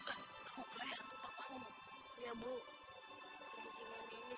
kita tidak punya waktu banyak